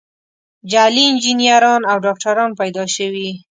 جعلي انجینران او ډاکتران پیدا شوي.